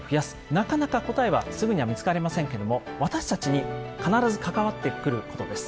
なかなか答えはすぐには見つかりませんけども私たちに必ず関わってくることです。